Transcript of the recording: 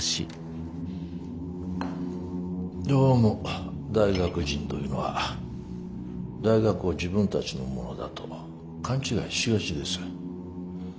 どうも大学人というのは大学を自分たちのものだと勘違いしがちです。